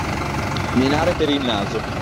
Menare per il naso.